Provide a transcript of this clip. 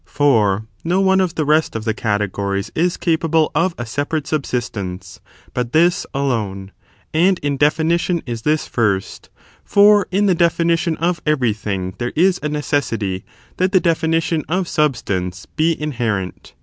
For no one of the rest of the categories is capable of a separate subsistence, but this alone ; and in definition is this first : for in the definition of everything there is a necessity that the definition of substance be inherent.